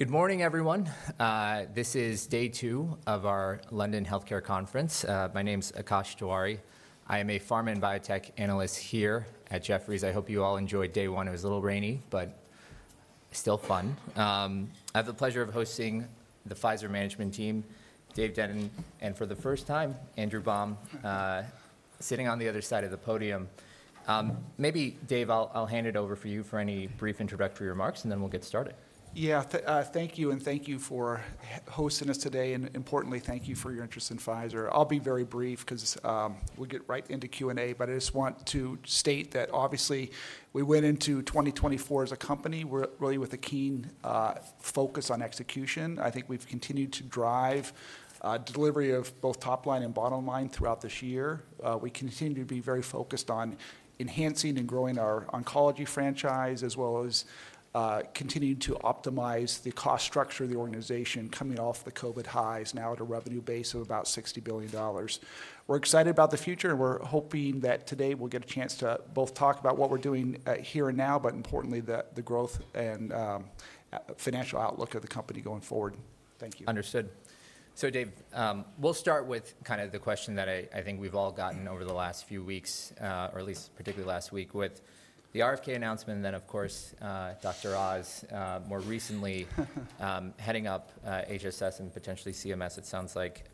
Good morning, everyone. This is day two of our London Healthcare Conference. My name is Akash Tewari. I am a pharma and biotech analyst here at Jefferies. I hope you all enjoyed day one. It was a little rainy, but still fun. I have the pleasure of hosting the Pfizer management team, Dave Denton, and for the first time, Andrew Baum, sitting on the other side of the podium. Maybe, Dave, I'll hand it over for you for any brief introductory remarks, and then we'll get started. Yeah, thank you, and thank you for hosting us today, and importantly, thank you for your interest in Pfizer. I'll be very brief because we'll get right into Q&A, but I just want to state that, obviously, we went into 2024 as a company really with a keen focus on execution. I think we've continued to drive delivery of both top line and bottom line throughout this year. We continue to be very focused on enhancing and growing our oncology franchise, as well as continuing to optimize the cost structure of the organization coming off the COVID highs, now at a revenue base of about $60 billion. We're excited about the future, and we're hoping that today we'll get a chance to both talk about what we're doing here and now, but importantly, the growth and financial outlook of the company going forward. Thank you. Understood. So, Dave, we'll start with kind of the question that I think we've all gotten over the last few weeks, or at least particularly last week, with the RFK announcement, and then, of course, Dr. Oz, more recently heading up HHS and potentially CMS, it sounds like.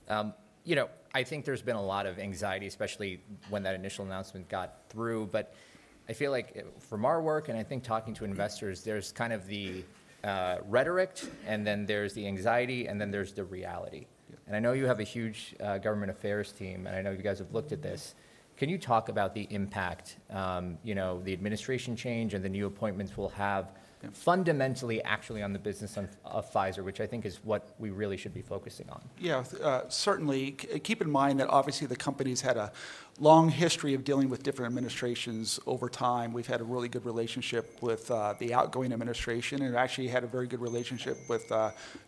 You know, I think there's been a lot of anxiety, especially when that initial announcement got through, but I feel like from our work, and I think talking to investors, there's kind of the rhetoric, and then there's the anxiety, and then there's the reality. And I know you have a huge government affairs team, and I know you guys have looked at this. Can you talk about the impact, you know, the administration change and the new appointments we'll have fundamentally actually on the business of Pfizer, which I think is what we really should be focusing on? Yeah, certainly. Keep in mind that, obviously, the company's had a long history of dealing with different administrations over time. We've had a really good relationship with the outgoing administration, and actually had a very good relationship with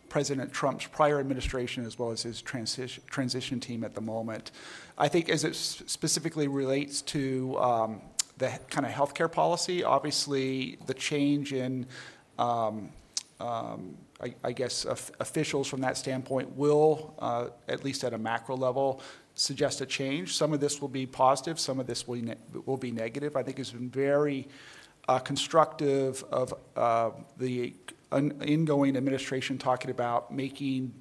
President Trump's prior administration, as well as his transition team at the moment. I think as it specifically relates to the kind of healthcare policy, obviously, the change in, I guess, officials from that standpoint will, at least at a macro level, suggest a change. Some of this will be positive. Some of this will be negative. I think it's been very constructive of the ingoing administration talking about making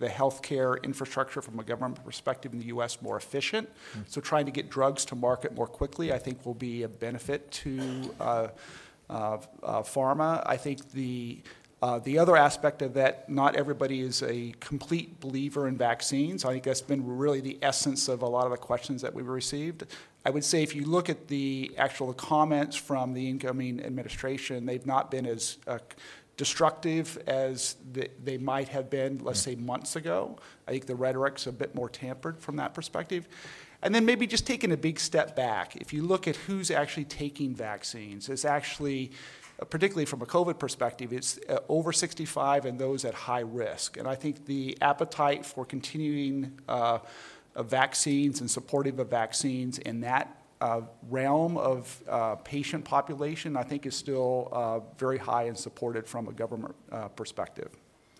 the healthcare infrastructure from a government perspective in the U.S. more efficient. So trying to get drugs to market more quickly, I think, will be a benefit to pharma. I think the other aspect of that, not everybody is a complete believer in vaccines. I think that's been really the essence of a lot of the questions that we've received. I would say if you look at the actual comments from the incoming administration, they've not been as destructive as they might have been, let's say, months ago. I think the rhetoric's a bit more tempered from that perspective, and then maybe just taking a big step back, if you look at who's actually taking vaccines, it's actually, particularly from a COVID perspective, it's over 65 and those at high risk. And I think the appetite for continuing vaccines and supporting the vaccines in that realm of patient population, I think, is still very high and supported from a government perspective.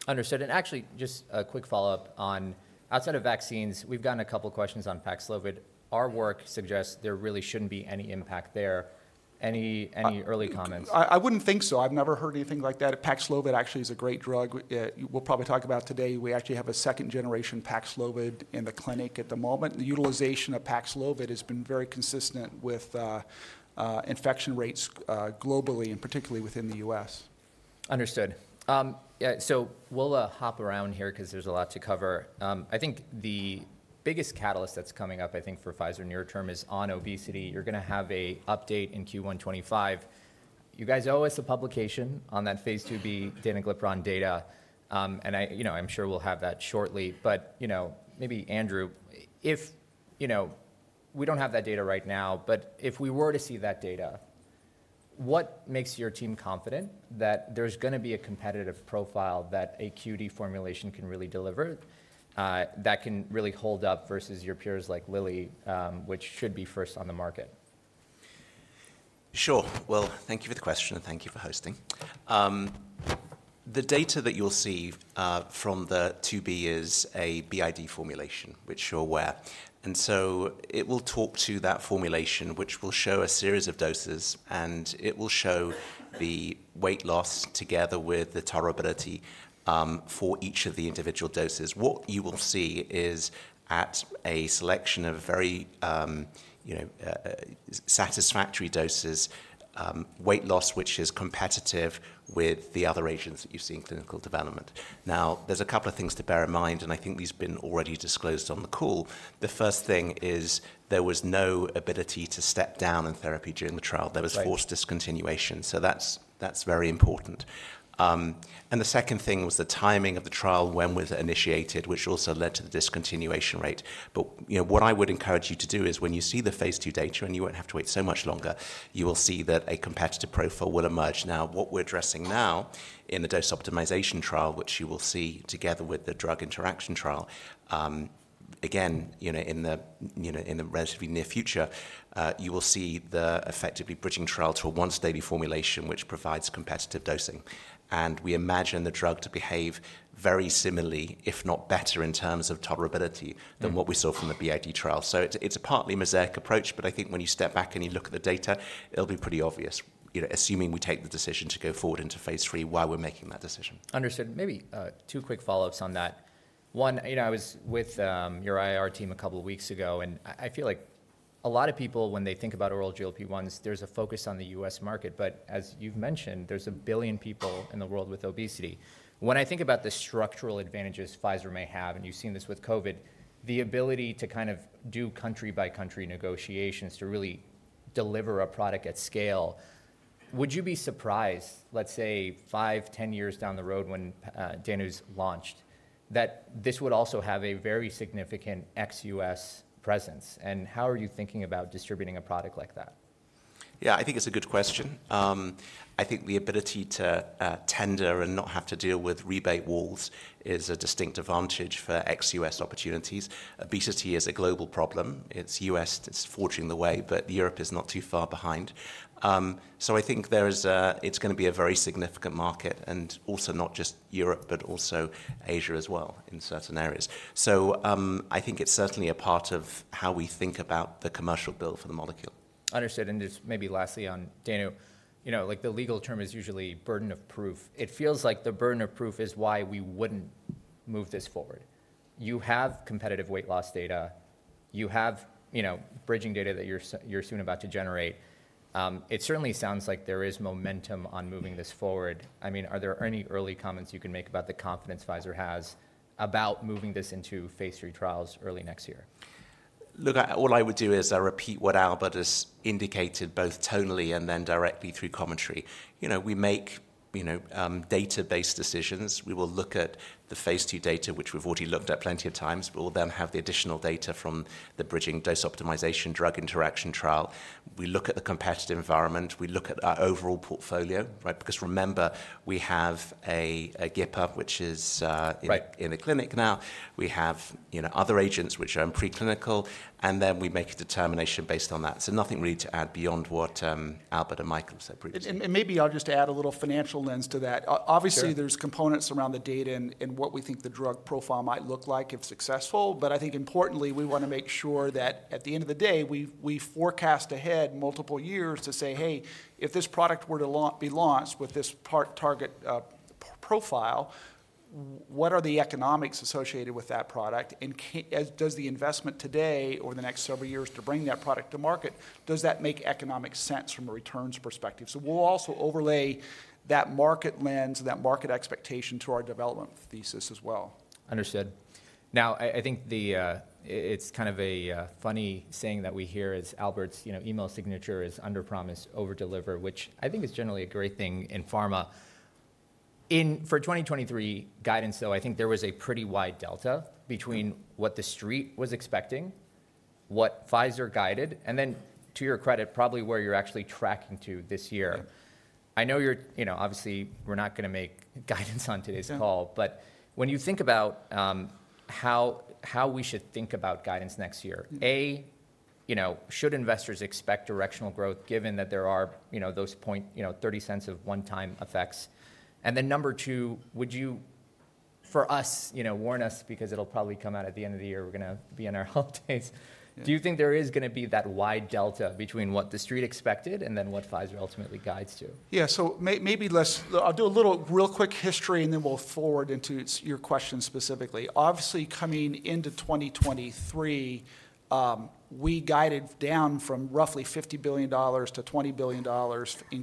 Understood. And actually, just a quick follow-up on outside of vaccines, we've gotten a couple of questions on Paxlovid. Our work suggests there really shouldn't be any impact there. Any early comments? I wouldn't think so. I've never heard anything like that. Paxlovid actually is a great drug we'll probably talk about today. We actually have a second-generation Paxlovid in the clinic at the moment. The utilization of Paxlovid has been very consistent with infection rates globally, and particularly within the U.S. Understood. So we'll hop around here because there's a lot to cover. I think the biggest catalyst that's coming up, I think, for Pfizer near term is on obesity. You're going to have an update in Q1 2025. You guys owe us a publication on that phase II-B danuglipron data, and I'm sure we'll have that shortly. But, you know, maybe, Andrew, if, you know, we don't have that data right now, but if we were to see that data, what makes your team confident that there's going to be a competitive profile that a QD formulation can really deliver that can really hold up versus your peers like Lilly, which should be first on the market? Sure. Well, thank you for the question, and thank you for hosting. The data that you'll see from the phase II-B is a BID formulation, which you're aware, and so it will talk to that formulation, which will show a series of doses, and it will show the weight loss together with the tolerability for each of the individual doses. What you will see is, at a selection of very satisfactory doses, weight loss, which is competitive with the other agents that you've seen in clinical development. Now, there's a couple of things to bear in mind, and I think these have been already disclosed on the call. The first thing is there was no ability to step down in therapy during the trial. There was forced discontinuation. So that's very important. And the second thing was the timing of the trial, when was it initiated, which also led to the discontinuation rate. But what I would encourage you to do is, when you see the phase II data and you won't have to wait so much longer, you will see that a competitive profile will emerge. Now, what we're addressing now in the dose optimization trial, which you will see together with the drug interaction trial, again, in the relatively near future, you will see the effectively bridging trial to a once-daily formulation, which provides competitive dosing. And we imagine the drug to behave very similarly, if not better, in terms of tolerability than what we saw from the BID trial. So it's a partly mosaic approach, but I think when you step back and you look at the data, it'll be pretty obvious, assuming we take the decision to go forward into phase III, why we're making that decision. Understood. Maybe two quick follow-ups on that. One, I was with your IR team a couple of weeks ago, and I feel like a lot of people, when they think about oral GLP-1s, there's a focus on the U.S. market, but as you've mentioned, there's a billion people in the world with obesity. When I think about the structural advantages Pfizer may have, and you've seen this with COVID, the ability to kind of do country-by-country negotiations to really deliver a product at scale, would you be surprised, let's say, five, 10 years down the road when danuglipron's launched, that this would also have a very significant ex-U.S. presence? And how are you thinking about distributing a product like that? Yeah, I think it's a good question. I think the ability to tender and not have to deal with rebate walls is a distinct advantage for ex-U.S. opportunities. Obesity is a global problem. It's U.S. that's forging the way, but Europe is not too far behind. So I think it's going to be a very significant market, and also not just Europe, but also Asia as well in certain areas. So I think it's certainly a part of how we think about the commercial bill for the molecule. Understood. And just maybe lastly on danuglipron, the legal term is usually burden of proof. It feels like the burden of proof is why we wouldn't move this forward. You have competitive weight loss data. You have bridging data that you're soon about to generate. It certainly sounds like there is momentum on moving this forward. I mean, are there any early comments you can make about the confidence Pfizer has about moving this into phase III trials early next year? Look, all I would do is repeat what Albert has indicated both tonally and then directly through commentary. We make data-based decisions. We will look at the phase II data, which we've already looked at plenty of times, but we'll then have the additional data from the bridging dose optimization drug interaction trial. We look at the competitive environment. We look at our overall portfolio, right? Because remember, we have a GIP-R, which is in the clinic now. We have other agents which are in preclinical, and then we make a determination based on that. So nothing really to add beyond what Albert and Mikael said previously. Maybe I'll just add a little financial lens to that. Obviously, there's components around the data and what we think the drug profile might look like if successful, but I think importantly, we want to make sure that at the end of the day, we forecast ahead multiple years to say, hey, if this product were to be launched with this target profile, what are the economics associated with that product? And does the investment today or the next several years to bring that product to market, does that make economic sense from a returns perspective? So we'll also overlay that market lens and that market expectation to our development thesis as well. Understood. Now, I think it's kind of a funny saying that we hear is Albert's email signature is under-promised, over-deliver, which I think is generally a great thing in pharma. For 2023 guidance, though, I think there was a pretty wide delta between what the street was expecting, what Pfizer guided, and then, to your credit, probably where you're actually tracking to this year. I know you're, obviously, we're not going to make guidance on today's call, but when you think about how we should think about guidance next year, A, should investors expect directional growth given that there are those $0.30 of one-time effects? And then number two, would you, for us, warn us because it'll probably come out at the end of the year, we're going to be in our holidays. Do you think there is going to be that wide delta between what the street expected and then what Pfizer ultimately guides to? Yeah, so maybe less. I'll do a little real quick history, and then we'll forward into your question specifically. Obviously, coming into 2023, we guided down from roughly $50 billion to $20 billion in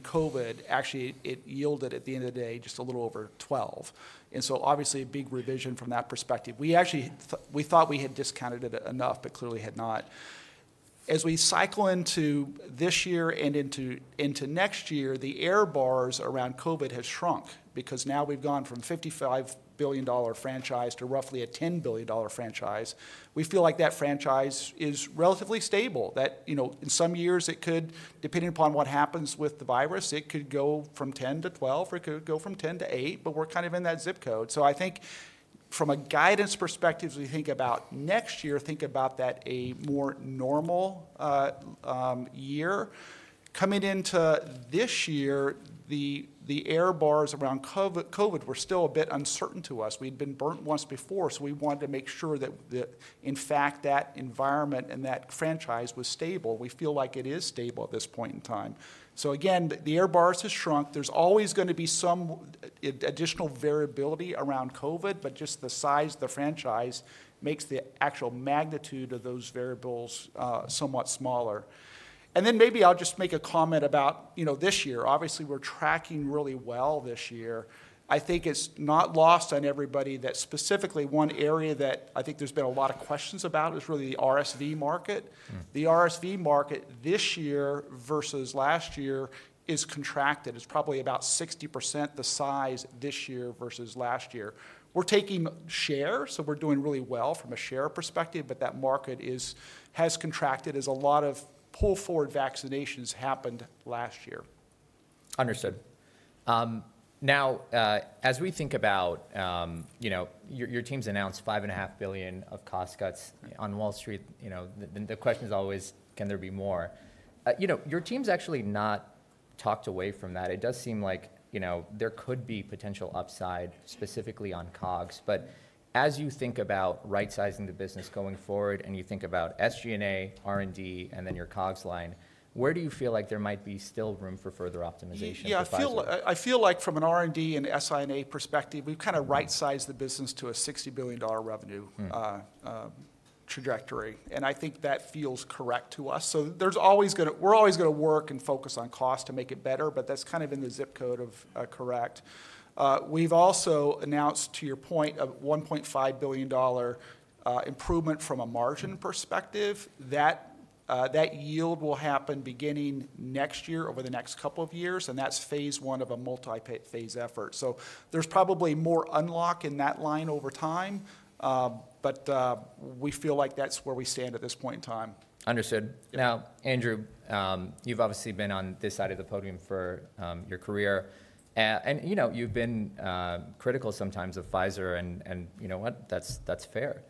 COVID. Actually, it yielded at the end of the day just a little over $12 billion. And so obviously, a big revision from that perspective. We thought we had discounted it enough, but clearly had not. As we cycle into this year and into next year, the error bars around COVID have shrunk because now we've gone from a $55 billion franchise to roughly a $10 billion franchise. We feel like that franchise is relatively stable. In some years, it could, depending upon what happens with the virus, it could go from $10-$12, or it could go from $10-$8, but we're kind of in that zip code. So, I think from a guidance perspective, as we think about next year, think about that a more normal year. Coming into this year, the error bars around COVID were still a bit uncertain to us. We'd been burnt once before, so we wanted to make sure that, in fact, that environment and that franchise was stable. We feel like it is stable at this point in time. So again, the error bars have shrunk. There's always going to be some additional variability around COVID, but just the size of the franchise makes the actual magnitude of those variables somewhat smaller. And then maybe I'll just make a comment about this year. Obviously, we're tracking really well this year. I think it's not lost on everybody that specifically one area that I think there's been a lot of questions about is really the RSV market. The RSV market this year versus last year is contracted. It's probably about 60% the size this year versus last year. We're taking share, so we're doing really well from a share perspective, but that market has contracted as a lot of pull-forward vaccinations happened last year. Understood. Now, as we think about your team's announced $5.5 billion of cost cuts on Wall Street, the question is always, can there be more? Your team's actually not talked away from that. It does seem like there could be potential upside, specifically on COGS. But as you think about right-sizing the business going forward and you think about SG&A, R&D, and then your COGS line, where do you feel like there might be still room for further optimization? Yeah, I feel like from an R&D and SG&A perspective, we've kind of right-sized the business to a $60 billion revenue trajectory. And I think that feels correct to us. So we're always going to work and focus on cost to make it better, but that's kind of in the zip code of correct. We've also announced, to your point, a $1.5 billion improvement from a margin perspective. That yield will happen beginning next year over the next couple of years, and that's phase I of a multi-phase effort. So there's probably more unlock in that line over time, but we feel like that's where we stand at this point in time. Understood. Now, Andrew, you've obviously been on this side of the podium for your career, and you've been critical sometimes of Pfizer, and that's fair.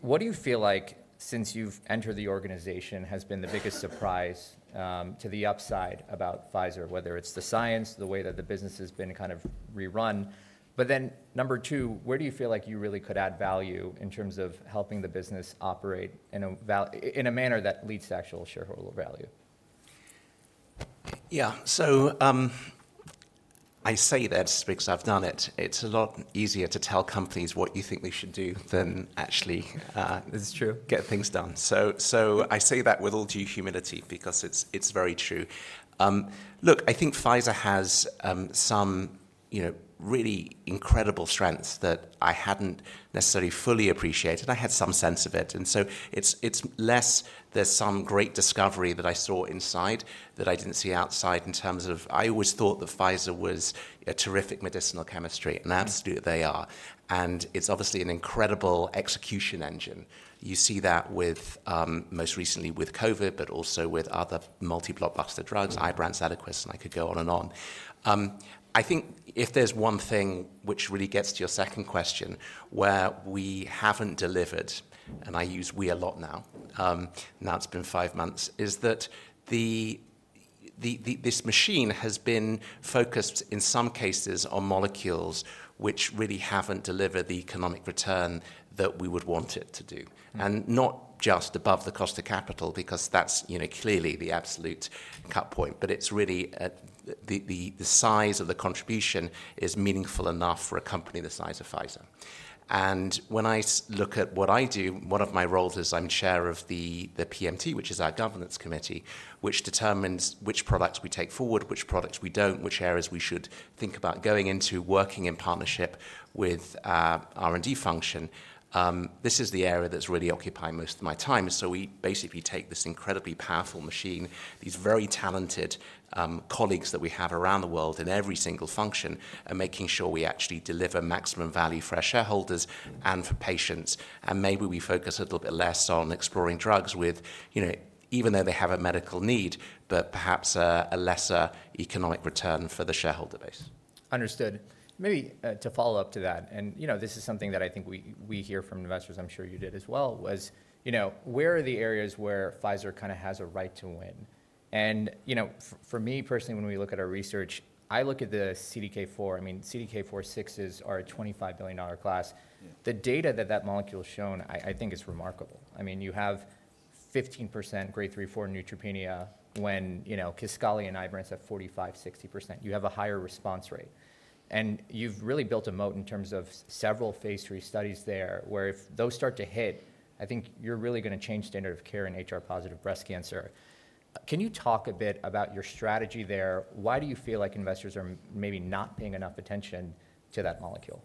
What do you feel like, since you've entered the organization, has been the biggest surprise to the upside about Pfizer, whether it's the science, the way that the business has been kind of rerun? But then number two, where do you feel like you really could add value in terms of helping the business operate in a manner that leads to actual shareholder value? Yeah, so I say that because I've done it. It's a lot easier to tell companies what you think they should do than actually get things done. So I say that with a little humility because it's very true. Look, I think Pfizer has some really incredible strengths that I hadn't necessarily fully appreciated. I had some sense of it. And so it's less there's some great discovery that I saw inside that I didn't see outside in terms of I always thought that Pfizer was a terrific medicinal chemistry, and that's who they are. And it's obviously an incredible execution engine. You see that most recently with COVID, but also with other multi-blockbuster drugs, Ibrance, Eliquis, and I could go on and on. I think if there's one thing which really gets to your second question, where we haven't delivered, and I use we a lot now, now it's been five months, is that this machine has been focused in some cases on molecules which really haven't delivered the economic return that we would want it to do, and not just above the cost of capital, because that's clearly the absolute cut point, but it's really the size of the contribution is meaningful enough for a company the size of Pfizer, and when I look at what I do, one of my roles is I'm Chair of the PMT, which is our governance committee, which determines which products we take forward, which products we don't, which areas we should think about going into, working in partnership with R&D function. This is the area that's really occupying most of my time. So we basically take this incredibly powerful machine, these very talented colleagues that we have around the world in every single function, and making sure we actually deliver maximum value for our shareholders and for patients. And maybe we focus a little bit less on exploring drugs with, even though they have a medical need, but perhaps a lesser economic return for the shareholder base. Understood. Maybe to follow up to that, and this is something that I think we hear from investors. I'm sure you did as well. It was where are the areas where Pfizer kind of has a right to win? And for me personally, when we look at our research, I look at the CDK4. I mean, CDK4/6 are a $25 billion class. The data that that molecule has shown, I think is remarkable. I mean, you have 15% grade 3-4 neutropenia when Kisqali and Ibrance have 45%-60%. You have a higher response rate. And you've really built a moat in terms of several phase III studies there where if those start to hit, I think you're really going to change standard of care in HR-positive breast cancer. Can you talk a bit about your strategy there? Why do you feel like investors are maybe not paying enough attention to that molecule?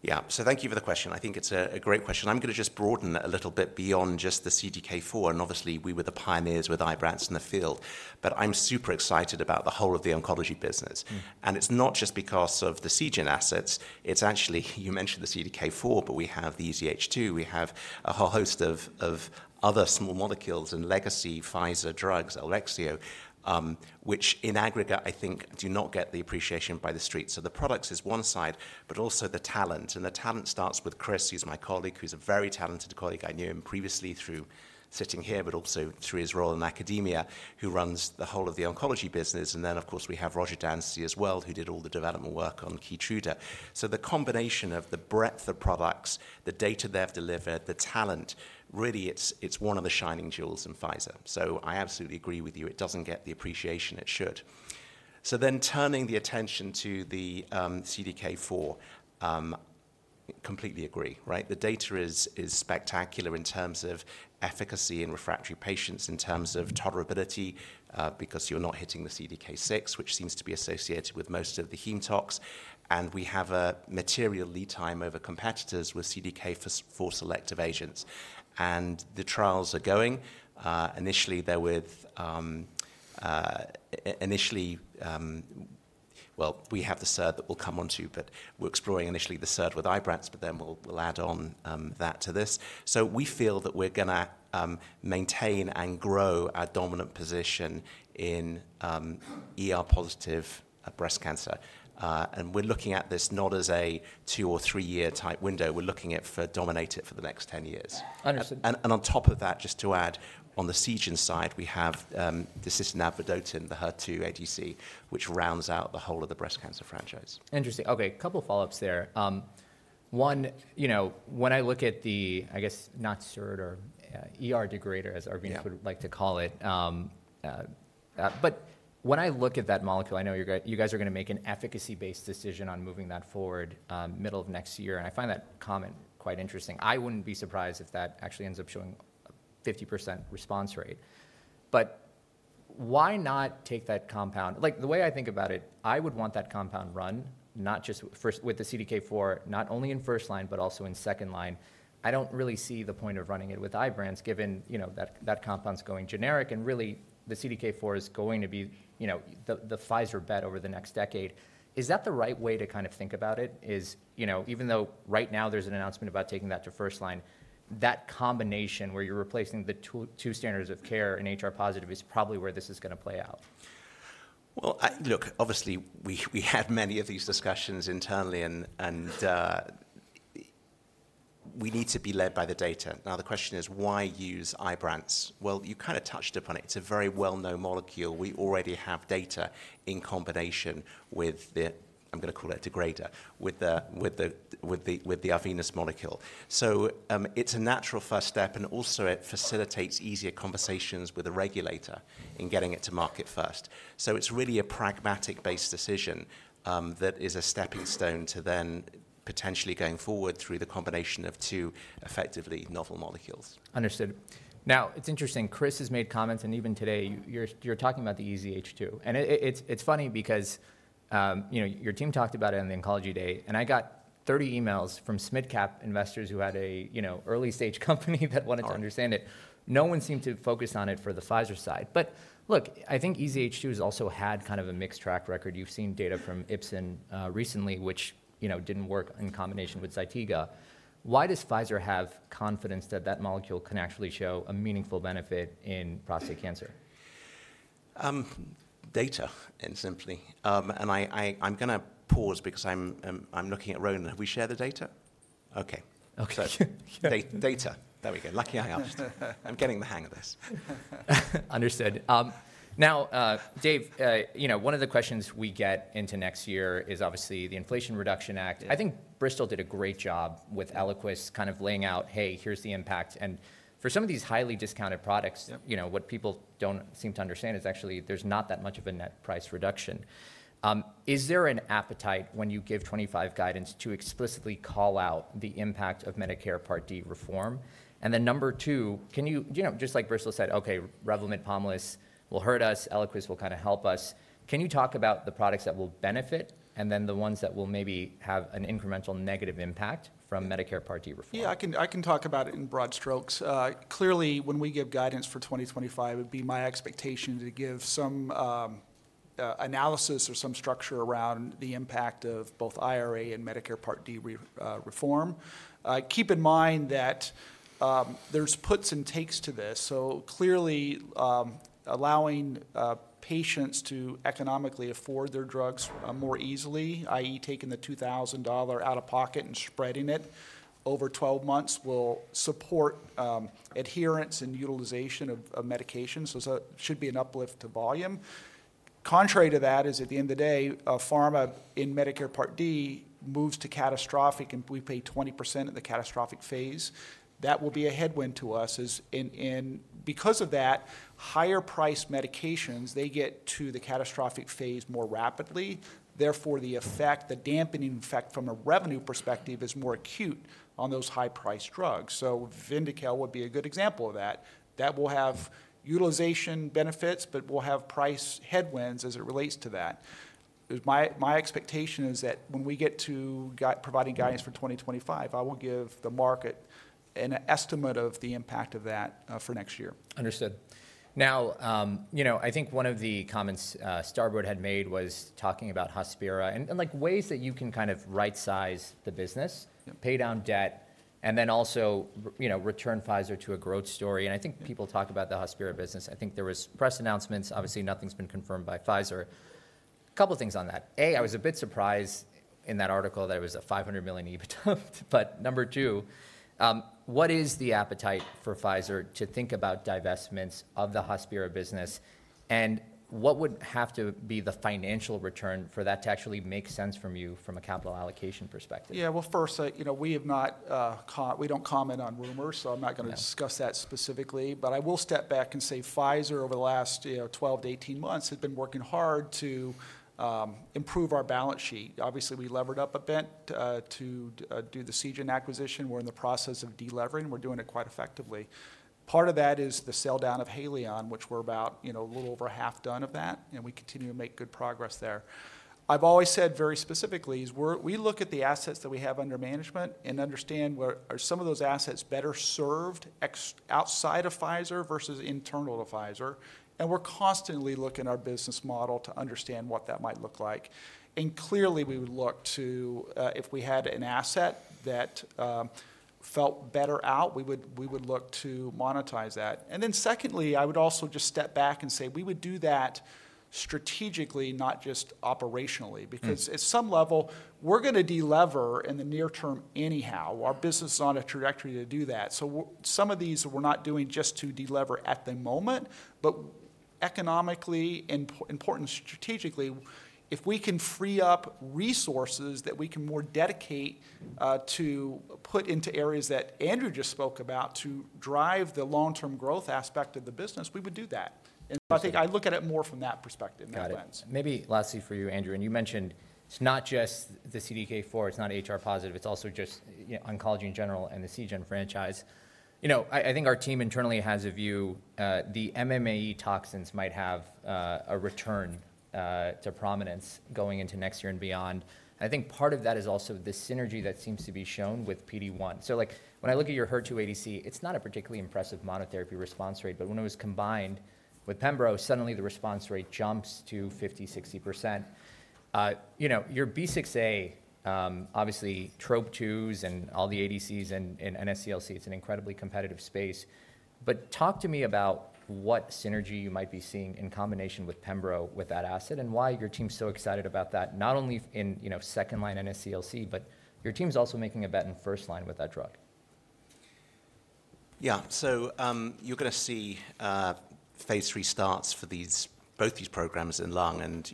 Yeah, so thank you for the question. I think it's a great question. I'm going to just broaden that a little bit beyond just the CDK4. And obviously, we were the pioneers with Ibrance in the field. But I'm super excited about the whole of the oncology business. And it's not just because of the Seagen assets. It's actually, you mentioned the CDK4, but we have the EZH2. We have a whole host of other small molecules and legacy Pfizer drugs, Eliquis, which in aggregate, I think, do not get the appreciation by the streets. So the products is one side, but also the talent. And the talent starts with Chris, who's my colleague, who's a very talented colleague. I knew him previously through sitting here, but also through his role in academia, who runs the whole of the oncology business. Of course, we have Roger Dansey as well, who did all the development work on Keytruda. The combination of the breadth of products, the data they've delivered, the talent, really, it's one of the shining jewels in Pfizer. I absolutely agree with you. It doesn't get the appreciation it should. Turning the attention to the CDK4, completely agree, right? The data is spectacular in terms of efficacy in refractory patients, in terms of tolerability, because you're not hitting the CDK6, which seems to be associated with most of the hematologic toxicities. We have a material lead time over competitors with CDK4 selective agents. The trials are going. We have the triplet that we'll come onto, but we're exploring initially the triplet with Ibrance, but then we'll add on that to this. We feel that we're going to maintain and grow our dominant position in ER-positive breast cancer. We're looking at this not as a two- or three-year type window. We're looking at it to dominate it for the next 10 years. On top of that, just to add, on the Seagen side, we have the disitamab vedotin, the HER2 ADC, which rounds out the whole of the breast cancer franchise. Interesting. Okay, a couple of follow-ups there. One, when I look at the, I guess, not SERD or degrader, as Arvinas would like to call it, but when I look at that molecule, I know you guys are going to make an efficacy-based decision on moving that forward middle of next year. And I find that comment quite interesting. I wouldn't be surprised if that actually ends up showing a 50% response rate. But why not take that compound? Like the way I think about it, I would want that compound run, not just with the CDK4, not only in first line, but also in second line. I don't really see the point of running it with Ibrance, given that compound's going generic. And really, the CDK4 is going to be the Pfizer bet over the next decade. Is that the right way to kind of think about it? Even though right now there's an announcement about taking that to first line, that combination where you're replacing the two standards of care and HR-positive is probably where this is going to play out. Look, obviously, we had many of these discussions internally, and we need to be led by the data. Now, the question is, why use Ibrance? You kind of touched upon it. It's a very well-known molecule. We already have data in combination with the, I'm going to call it a degrader, with the Arvinas molecule. So it's a natural first step, and also it facilitates easier conversations with a regulator in getting it to market first. So it's really a pragmatic-based decision that is a stepping stone to then potentially going forward through the combination of two effectively novel molecules. Understood. Now, it's interesting. Chris has made comments, and even today, you're talking about the EZH2. And it's funny because your team talked about it on the oncology day, and I got 30 emails from small-cap investors who had an early-stage company that wanted to understand it. No one seemed to focus on it for the Pfizer side. But look, I think EZH2 has also had kind of a mixed track record. You've seen data from Ipsen recently, which didn't work in combination with Zytiga. Why does Pfizer have confidence that that molecule can actually show a meaningful benefit in prostate cancer? Data and simply. And I'm going to pause because I'm looking at Ronan. Have we shared the data? Okay. Data. There we go. Lucky I asked. I'm getting the hang of this. Understood. Now, Dave, one of the questions we get into next year is obviously the Inflation Reduction Act. I think Bristol did a great job with Eliquis, kind of laying out, hey, here's the impact. And for some of these highly discounted products, what people don't seem to understand is actually there's not that much of a net price reduction. Is there an appetite when you give 25 guidance to explicitly call out the impact of Medicare Part D reform? And then number two, just like Bristol said, okay, Revlimid, Pomalyst will hurt us. Eliquis will kind of help us. Can you talk about the products that will benefit and then the ones that will maybe have an incremental negative impact from Medicare Part D reform? Yeah, I can talk about it in broad strokes. Clearly, when we give guidance for 2025, it would be my expectation to give some analysis or some structure around the impact of both IRA and Medicare Part D reform. Keep in mind that there's puts and takes to this. So clearly, allowing patients to economically afford their drugs more easily, i.e., taking the $2,000 out of pocket and spreading it over 12 months will support adherence and utilization of medications. So it should be an uplift to volume. Contrary to that, at the end of the day, a pharma in Medicare Part D moves to catastrophic, and we pay 20% of the catastrophic phase. That will be a headwind to us. And because of that, higher-priced medications, they get to the catastrophic phase more rapidly. Therefore, the dampening effect from a revenue perspective is more acute on those high-priced drugs. So Vyndaqel would be a good example of that. That will have utilization benefits, but we'll have price headwinds as it relates to that. My expectation is that when we get to providing guidance for 2025, I will give the market an estimate of the impact of that for next year. Understood. Now, I think one of the comments Starboard had made was talking about Hospira and ways that you can kind of right-size the business, pay down debt, and then also return Pfizer to a growth story, and I think people talk about the Hospira business. I think there were press announcements. Obviously, nothing's been confirmed by Pfizer. A, I was a bit surprised in that article that it was a $500 million EBITDA, but number two, what is the appetite for Pfizer to think about divestments of the Hospira business? And what would have to be the financial return for that to actually make sense from you from a capital allocation perspective? Yeah, well, first, we don't comment on rumors, so I'm not going to discuss that specifically. But I will step back and say Pfizer over the last 12 to 18 months has been working hard to improve our balance sheet. Obviously, we levered up a bit to do the Seagen acquisition. We're in the process of delevering. We're doing it quite effectively. Part of that is the sell down of Haleon, which we're about a little over half done of that, and we continue to make good progress there. I've always said very specifically is we look at the assets that we have under management and understand where are some of those assets better served outside of Pfizer versus internal to Pfizer. And we're constantly looking at our business model to understand what that might look like. And clearly, we would look to if we had an asset that felt better out, we would look to monetize that. And then secondly, I would also just step back and say we would do that strategically, not just operationally, because at some level, we're going to delever in the near term anyhow. Our business is on a trajectory to do that. So some of these we're not doing just to delever at the moment, but economically and important strategically, if we can free up resources that we can more dedicate to put into areas that Andrew just spoke about to drive the long-term growth aspect of the business, we would do that. And so I think I look at it more from that perspective in that lens. Got it. Maybe lastly for you, Andrew. And you mentioned it's not just the CDK4, it's not HR-positive, it's also just oncology in general and the Seagen franchise. I think our team internally has a view. The MMAE toxins might have a return to prominence going into next year and beyond. I think part of that is also the synergy that seems to be shown with PD-1. So when I look at your HER2 ADC, it's not a particularly impressive monotherapy response rate, but when it was combined with pembrolizumab, suddenly the response rate jumps to 50%-60%. Your SGN-B6A, obviously TROP2s and all the ADCs and NSCLC, it's an incredibly competitive space. But talk to me about what synergy you might be seeing in combination with pembrolizumab with that asset and why your team's so excited about that, not only in second line NSCLC, but your team's also making a bet in first line with that drug. Yeah, so you're going to see phase III starts for both these programs in lung. And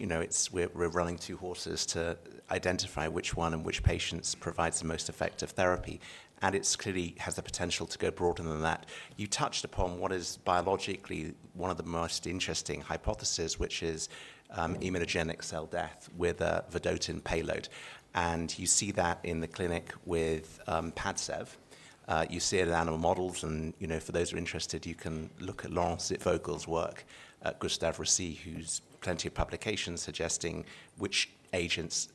we're running two horses to identify which one and which patients provides the most effective therapy. And it clearly has the potential to go broader than that. You touched upon what is biologically one of the most interesting hypotheses, which is immunogenic cell death with a vedotin payload. And you see that in the clinic with Padcev. You see it in animal models. And for those who are interested, you can look at Laurence Zitvogel's work at Gustave Roussy, who's plenty of publications suggesting which agents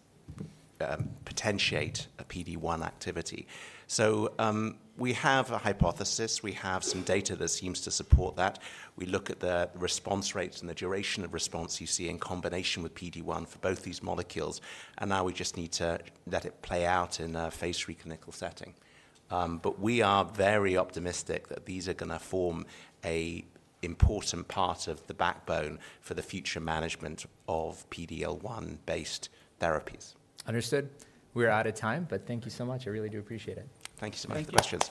potentiate a PD-1 activity. So we have a hypothesis. We have some data that seems to support that. We look at the response rates and the duration of response you see in combination with PD-1 for both these molecules. Now we just need to let it play out in a phase III clinical setting. We are very optimistic that these are going to form an important part of the backbone for the future management of PD-L1-based therapies. Understood. We are out of time, but thank you so much. I really do appreciate it. Thank you so much for the questions.